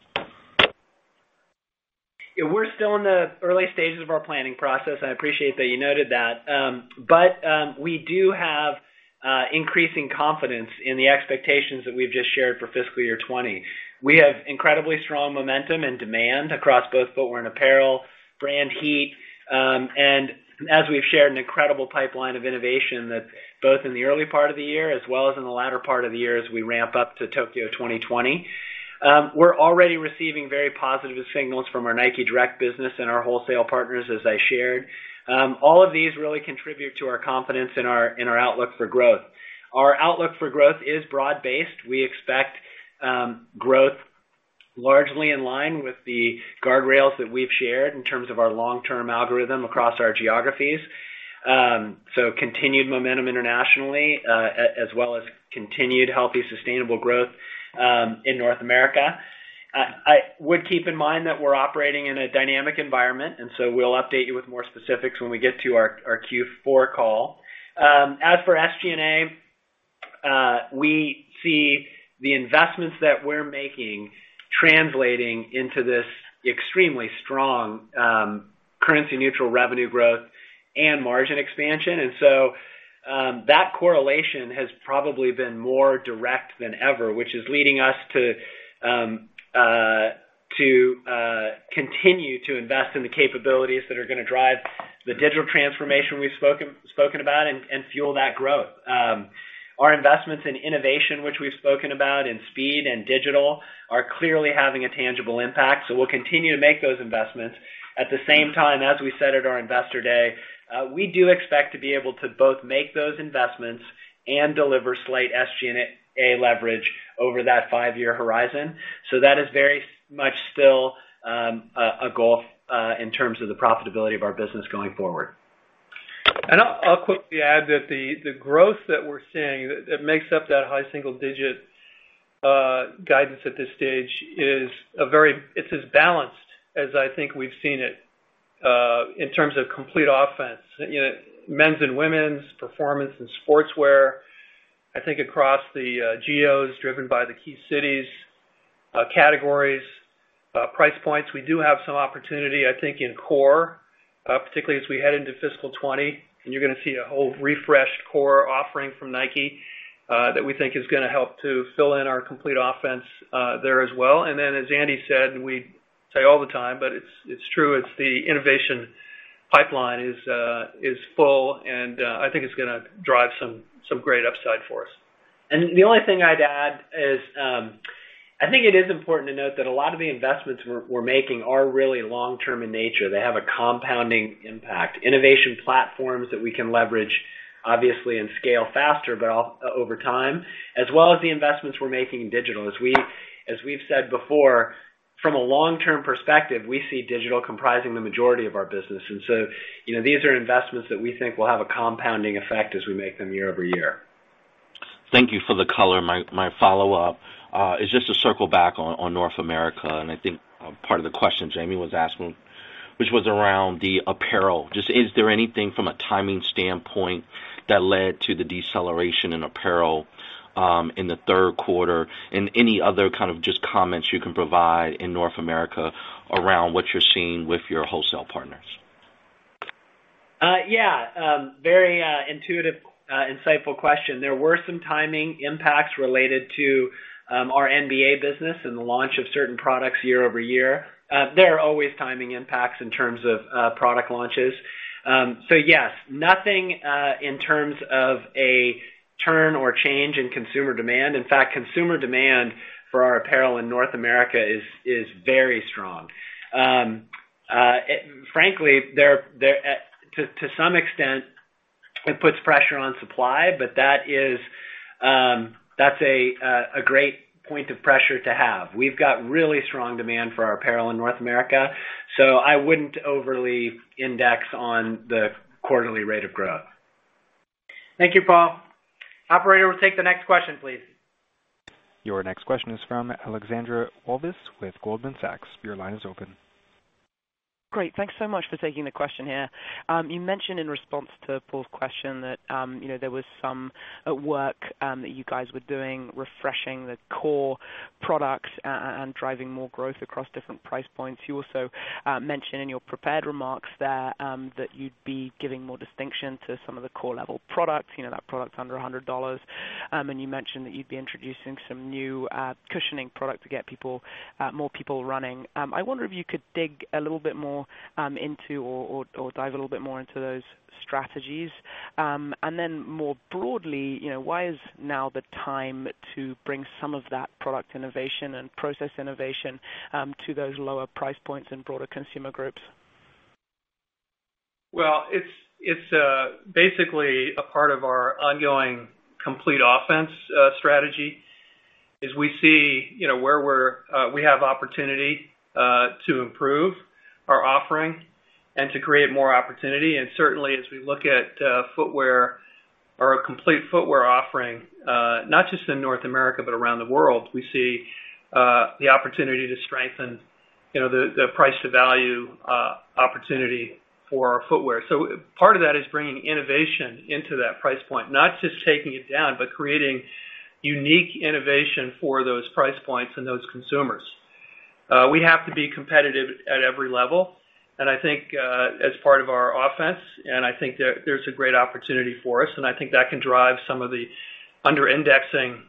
Yeah, we're still in the early stages of our planning process. I appreciate that you noted that. We do have increasing confidence in the expectations that we've just shared for fiscal year 2020. We have incredibly strong momentum and demand across both footwear and apparel, brand heat, as we've shared, an incredible pipeline of innovation both in the early part of the year as well as in the latter part of the year as we ramp up to Tokyo 2020. We're already receiving very positive signals from our Nike Direct business and our wholesale partners, as I shared. All of these really contribute to our confidence in our outlook for growth. Our outlook for growth is broad-based. We expect growth largely in line with the guardrails that we've shared in terms of our long-term algorithm across our geographies. Continued momentum internationally, as well as continued healthy, sustainable growth in North America. I would keep in mind that we're operating in a dynamic environment, we'll update you with more specifics when we get to our Q4 call. As for SG&A, we see the investments that we're making translating into this extremely strong currency neutral revenue growth and margin expansion. That correlation has probably been more direct than ever, which is leading us to continue to invest in the capabilities that are going to drive the digital transformation we've spoken about and fuel that growth. Our investments in innovation, which we've spoken about, and speed and digital, are clearly having a tangible impact, we'll continue to make those investments. At the same time, as we said at our Investor Day, we do expect to be able to both make those investments and deliver slight SG&A leverage over that five-year horizon. That is very much still a goal in terms of the profitability of our business going forward. I'll quickly add that the growth that we're seeing that makes up that high single digit guidance at this stage, it's as balanced as I think we've seen it, in terms of complete offense. Men's and women's, performance and sportswear. I think across the geos driven by the key cities, categories, price points. We do have some opportunity, I think, in core, particularly as we head into fiscal 2020. You're going to see a whole refreshed core offering from Nike, that we think is going to help to fill in our complete offense there as well. As Andy said, and we say all the time, but it's true, it's the innovation pipeline is full, I think it's going to drive some great upside for us. The only thing I'd add is, I think it is important to note that a lot of the investments we're making are really long-term in nature. They have a compounding impact. Innovation platforms that we can leverage, obviously, and scale faster, but over time, as well as the investments we're making in digital. As we've said before, from a long-term perspective, we see digital comprising the majority of our business. These are investments that we think will have a compounding effect as we make them year-over-year. Thank you for the color. My follow-up is just to circle back on North America. I think part of the question Jamie was asking, which was around the apparel. Is there anything from a timing standpoint that led to the deceleration in apparel, in the third quarter? Any other kind of comments you can provide in North America around what you're seeing with your wholesale partners. Yeah. Very intuitive, insightful question. There were some timing impacts related to our NBA business and the launch of certain products year-over-year. There are always timing impacts in terms of product launches. Yes, nothing in terms of a turn or change in consumer demand. In fact, consumer demand for our apparel in North America is very strong. Frankly, to some extent, it puts pressure on supply, but that's a great point of pressure to have. We've got really strong demand for our apparel in North America, so I wouldn't overly index on the quarterly rate of growth. Thank you, Paul. Operator, we'll take the next question, please. Your next question is from Alexandra Walvis with Goldman Sachs. Your line is open. Great. Thanks so much for taking the question here. You mentioned in response to Paul's question that there was some work that you guys were doing, refreshing the core products and driving more growth across different price points. You also mentioned in your prepared remarks there that you'd be giving more distinction to some of the core level products, that product under $100. You mentioned that you'd be introducing some new cushioning product to get more people running. I wonder if you could dig a little bit more into or dive a little bit more into those strategies. More broadly, why is now the time to bring some of that product innovation and process innovation to those lower price points and broader consumer groups? Well, it's basically a part of our ongoing complete offense strategy. We see where we have opportunity to improve our offering and to create more opportunity. Certainly, as we look at footwear or a complete footwear offering, not just in North America, but around the world, we see the opportunity to strengthen the price to value opportunity for our footwear. Part of that is bringing innovation into that price point. Not just taking it down, but creating unique innovation for those price points and those consumers. We have to be competitive at every level. I think, as part of our offense, and I think there's a great opportunity for us, and I think that can drive some of the under-indexing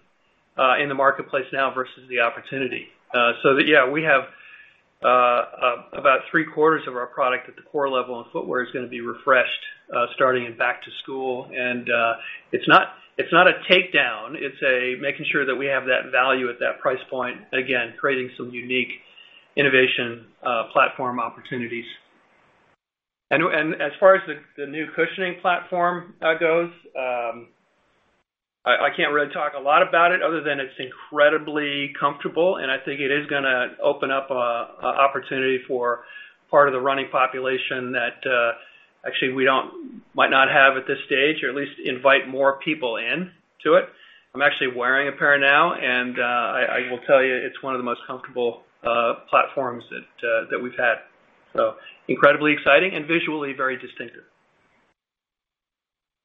in the marketplace now versus the opportunity. Yeah, we have about three-quarters of our product at the core level, and footwear is going to be refreshed starting in back to school. It's not a takedown. It's making sure that we have that value at that price point. Again, creating some unique innovation platform opportunities. As far as the new cushioning platform goes, I can't really talk a lot about it other than it's incredibly comfortable, and I think it is going to open up an opportunity for part of the running population that actually we might not have at this stage or at least invite more people into it. I'm actually wearing a pair now, and I will tell you, it's one of the most comfortable platforms that we've had. Incredibly exciting and visually very distinctive.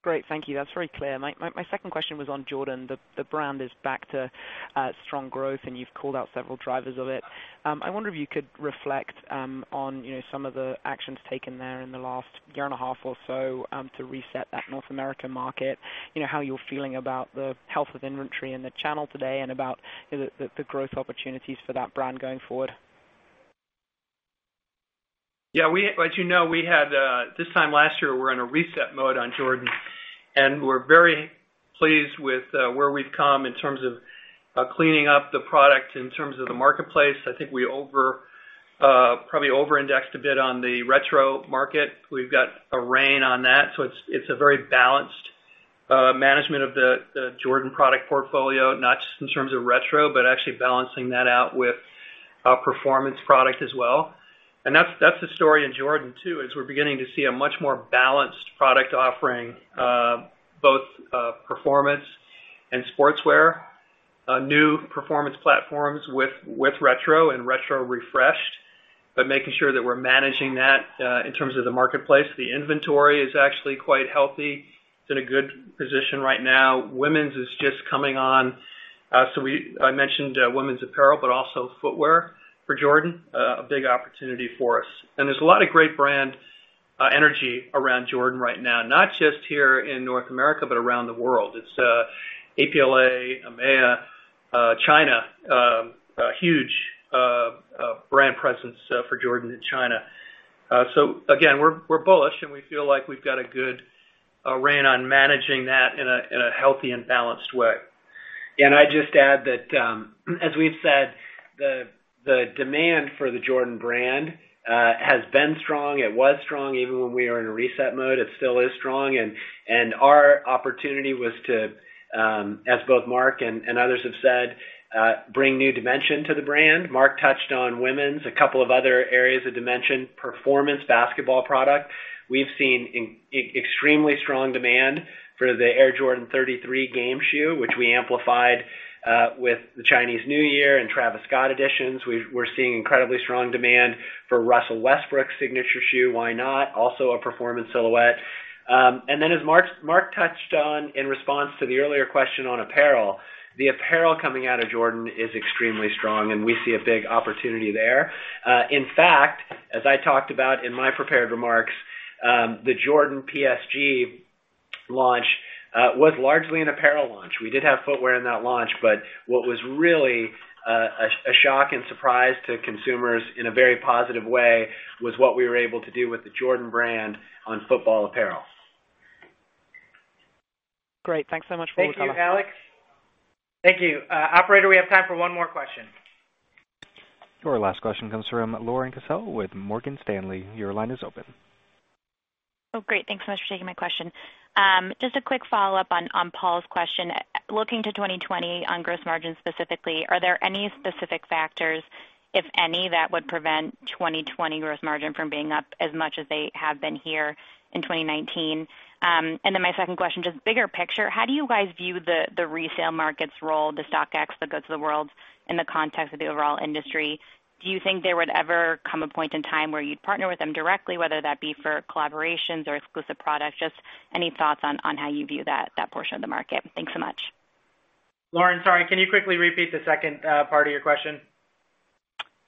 Great. Thank you. That's very clear. My second question was on Jordan. The brand is back to strong growth, and you've called out several drivers of it. I wonder if you could reflect on some of the actions taken there in the last year and a half or so to reset that North American market. How you're feeling about the health of inventory in the channel today and about the growth opportunities for that brand going forward. Yeah. As you know, this time last year, we're in a reset mode on Jordan, and we're very pleased with where we've come in terms of cleaning up the product, in terms of the marketplace. I think we probably over-indexed a bit on the retro market. We've got a rein on that. It's a very balanced management of the Jordan product portfolio, not just in terms of retro, but actually balancing that out with a performance product as well. That's the story in Jordan, too, is we're beginning to see a much more balanced product offering, both performance and sportswear. New performance platforms with retro and retro refreshed, but making sure that we're managing that in terms of the marketplace. The inventory is actually quite healthy. It's in a good position right now. Women's is just coming on. I mentioned women's apparel, but also footwear for Jordan, a big opportunity for us. There's a lot of great brand energy around Jordan right now, not just here in North America, but around the world. It's APLA, EMEA, China, a huge brand presence for Jordan in China. Again, we're bullish, and we feel like we've got a good rein on managing that in a healthy and balanced way. I'd just add that, as we've said, the demand for the Jordan brand has been strong. It was strong even when we were in a reset mode. It still is strong. Our opportunity was to, as both Mark and others have said, bring new dimension to the brand. Mark touched on women's, a couple of other areas of dimension, performance basketball product. We've seen extremely strong demand for the Air Jordan 33 game shoe, which we amplified with the Chinese New Year and Travis Scott editions. We're seeing incredibly strong demand for Russell Westbrook's signature shoe, Why Not, also a performance silhouette. Then as Mark touched on in response to the earlier question on apparel, the apparel coming out of Jordan is extremely strong, and we see a big opportunity there. In fact, as I talked about in my prepared remarks, the Jordan PSG launch was largely an apparel launch. We did have footwear in that launch, but what was really a shock and surprise to consumers in a very positive way was what we were able to do with the Jordan brand on football apparel. Great. Thanks so much. Thank you, Alex. Thank you. Operator, we have time for one more question. Your last question comes from Lauren Cassel with Morgan Stanley. Your line is open. Great. Thanks so much for taking my question. Just a quick follow-up on Paul's question. Looking to 2020 on gross margin specifically, are there any specific factors, if any, that would prevent 2020 gross margin from being up as much as they have been here in 2019? My second question, just bigger picture, how do you guys view the resale market's role, the StockX, the GOAT of the world, in the context of the overall industry? Do you think there would ever come a point in time where you'd partner with them directly, whether that be for collaborations or exclusive products? Just any thoughts on how you view that portion of the market. Thanks so much. Lauren, sorry, can you quickly repeat the second part of your question?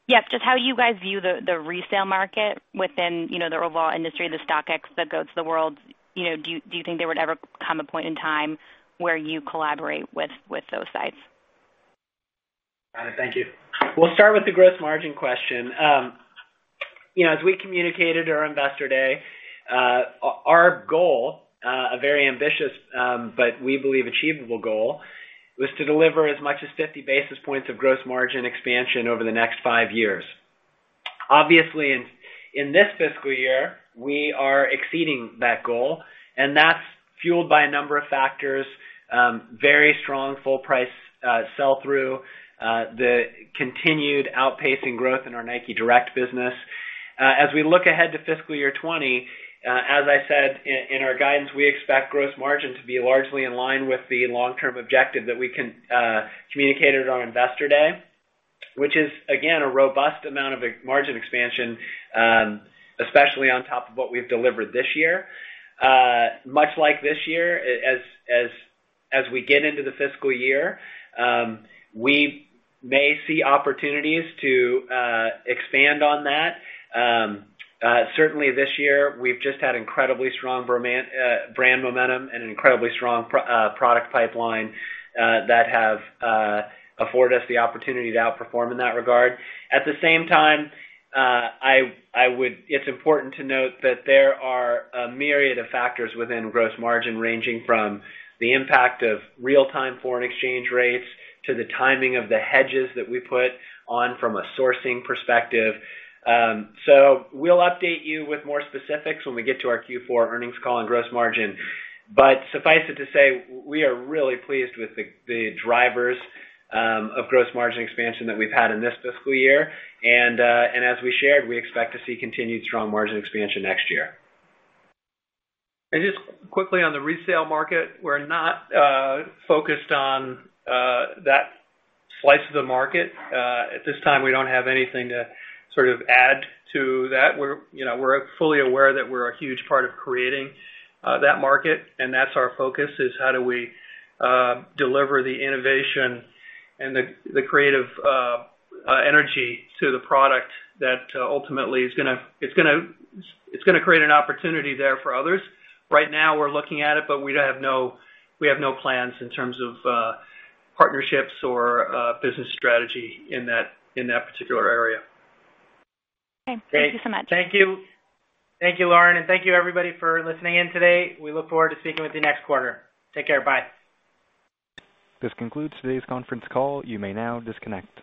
Yep. Just how you guys view the resale market within the overall industry, the StockX, the GOAT of the world. Do you think there would ever come a point in time where you collaborate with those sites? Got it. Thank you. We'll start with the gross margin question. As we communicated to our Investor Day, our goal, a very ambitious but we believe achievable goal, was to deliver as much as 50 basis points of gross margin expansion over the next five years. Obviously, in this fiscal year, we are exceeding that goal, and that's fueled by a number of factors. Very strong full price sell-through, the continued outpacing growth in our Nike Direct business. As we look ahead to fiscal year 2020, as I said in our guidance, we expect gross margin to be largely in line with the long-term objective that we communicated on Investor Day, which is, again, a robust amount of margin expansion, especially on top of what we've delivered this year. Much like this year, as we get into the fiscal year, we may see opportunities to expand on that. Certainly this year, we've just had incredibly strong brand momentum and an incredibly strong product pipeline that have afforded us the opportunity to outperform in that regard. At the same time, it's important to note that there are a myriad of factors within gross margin, ranging from the impact of real-time foreign exchange rates to the timing of the hedges that we put on from a sourcing perspective. We'll update you with more specifics when we get to our Q4 earnings call on gross margin. Suffice it to say, we are really pleased with the drivers of gross margin expansion that we've had in this fiscal year. As we shared, we expect to see continued strong margin expansion next year. Just quickly on the resale market, we're not focused on that slice of the market. At this time, we don't have anything to sort of add to that. We're fully aware that we're a huge part of creating that market, and that's our focus, is how do we deliver the innovation and the creative energy to the product that ultimately is going to create an opportunity there for others. Right now, we're looking at it, but we have no plans in terms of partnerships or business strategy in that particular area. Okay. Thank you so much. Thank you. Thank you, Lauren, and thank you, everybody, for listening in today. We look forward to speaking with you next quarter. Take care. Bye. This concludes today's conference call. You may now disconnect.